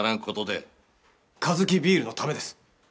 カヅキビールのためです。